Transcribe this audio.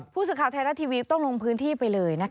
ผู้สื่อข่าวไทยรัฐทีวีต้องลงพื้นที่ไปเลย